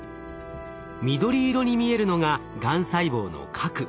緑色に見えるのががん細胞の核。